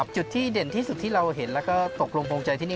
จุดที่เด่นที่สุดที่เราเห็นแล้วก็ตกลงโปรงใจที่นี่